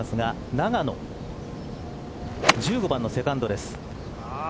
永野１５番のセカンドです。